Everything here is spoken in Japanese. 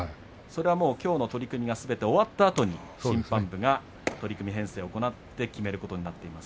きょうの取組がすべて終わったあとに審判部が取組編成を行って決めることになっています。